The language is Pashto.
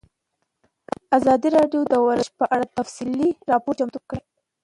ازادي راډیو د ورزش په اړه تفصیلي راپور چمتو کړی.